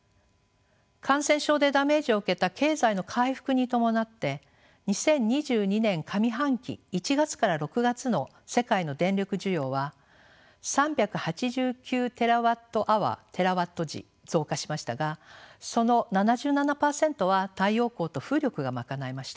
感染症でダメージを受けた経済の回復に伴って２０２２年上半期１月から６月の世界の電力需要は３８９ＴＷｈテラワット時増加しましたがその７７％は太陽光と風力が賄いました。